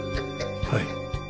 はい。